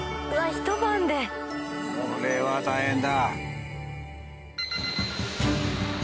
これは大変だ。